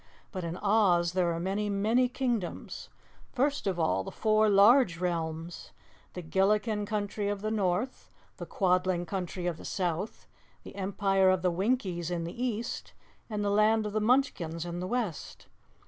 But in Oz there are many, many Kingdoms: first of all, the four large realms, the Gilliken Country of the North, the Quadling Country of the South, the Empire of the Winkies in the East, and the Land of the Munchkins in the West.